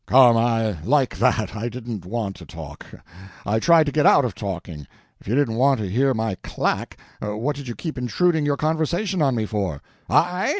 "Come, I like that! I didn't want to talk. I tried to get out of talking. If you didn't want to hear my clack, what did you keep intruding your conversation on me for?" "I?